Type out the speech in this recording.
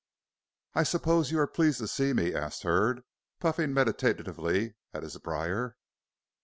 "I suppose you are pleased to see me?" asked Hurd, puffing meditatively at his briar.